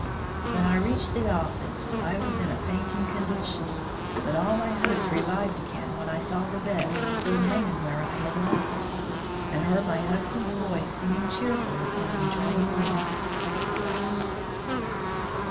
When I reached the office, I was in a fainting condition, but all my hopes revived again when I saw the vest still hanging where I had left it, and heard my husband's voice singing cheerfully in the adjoining room.